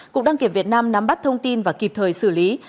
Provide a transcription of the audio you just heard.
cục đăng kiểm việt nam nắm bắt thông tin và kịp thời xử lý